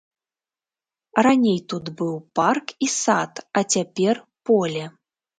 Раней тут быў парк і сад, а цяпер поле.